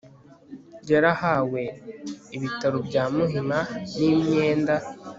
yarahawe Ibitaro bya Muhima n imyenda